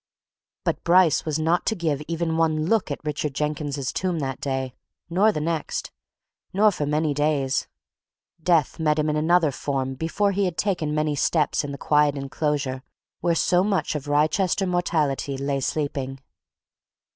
But Bryce was not to give even one look at Richard Jenkins's tomb that day, nor the next, nor for many days death met him in another form before he had taken many steps in the quiet enclosure where so much of Wrychester mortality lay sleeping.